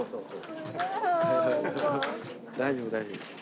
大丈夫大丈夫。